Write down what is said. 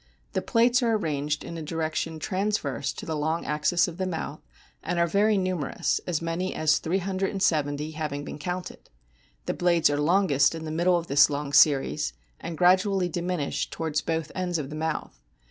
The plates are arranged in a direction transverse to the long axis of the mouth and are very numerous, as many as three hundred and seventy having been counted. The blades are longest in the middle of this long series, and gradually diminish towards both ends of the mouth.